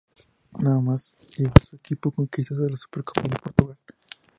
Nada más llegar su equipo conquista la Supercopa de Portugal.